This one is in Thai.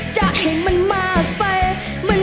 ดี